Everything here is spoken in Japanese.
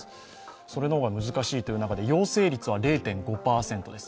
それの方が難しいという中で、陽性率は０．５％です。